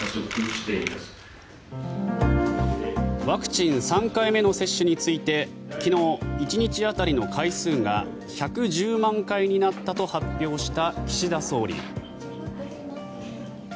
ワクチン３回目の接種について昨日、１日当たりの回数が１１０万回になったと発表した岸田総理。